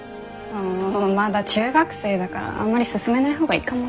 まだ中学生だからあんまりすすめない方がいいかもね。